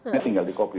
ini tinggal di kopi